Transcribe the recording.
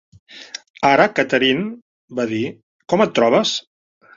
"Ara, Catherine", va dir, "com et trobes?"